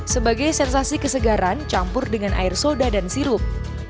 sebagai sensasi kesegaran campur dengan air soda dan sirup